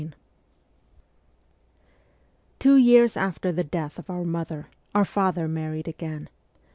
IV Two years after the death of our mother our father married again.